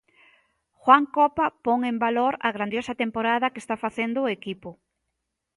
Juan Copa pon en valor a grandiosa temporada que está facendo o equipo.